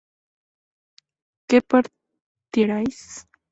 que partierais